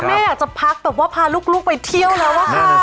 แม่อยากจะพักแบบว่าพาลูกไปเที่ยวแล้วอะค่ะ